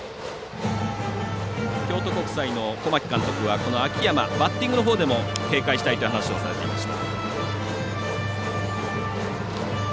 京都国際の小牧監督は秋山、バッティングのほうでも警戒したいという話をされていました。